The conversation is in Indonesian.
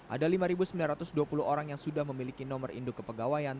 ada lima sembilan ratus dua puluh orang yang sudah memiliki nomor induk kepegawaian